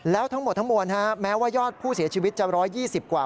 แล้วทั้งหมดทั้งมวลแม้ว่ายอดผู้เสียชีวิตจะ๑๒๐กว่า